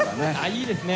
いいですね。